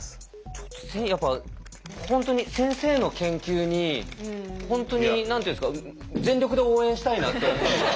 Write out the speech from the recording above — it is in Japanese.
ちょっとやっぱ本当に先生の研究に何て言うんですか全力で応援したいなって思うのが。